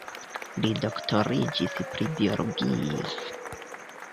Li doktoriĝis pri biologio.